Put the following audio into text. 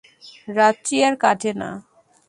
রাত্রি আর কাটে না।